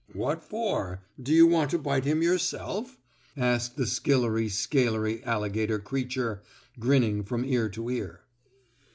"What for; do you want to bite him yourself?" asked the skillery scalery alligator creature, grinning from ear to ear.